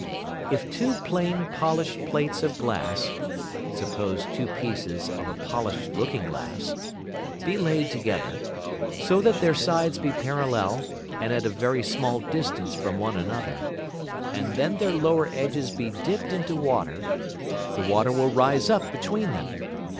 If two plane polish'd Plates of Glass (suppose two pieces of a polish'd Looking glass) be laid together, so that their sides be parallel and at a very small distance from one another, and then their lower edges be dipped into Water, the Water will rise up between them.